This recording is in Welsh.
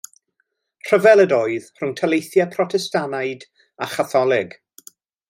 Rhyfel ydoedd rhwng taleithiau Protestaniaid a Chatholig.